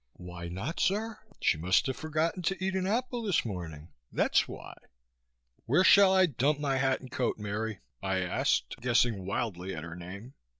"Why not, sir? She must have forgotten to eat an apple this morning. That's why." "Where shall I dump my hat and coat, Mary?" I asked guessing wildly at her name.